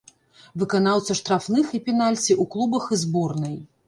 Выканаўца штрафных і пенальці ў клубах і зборнай.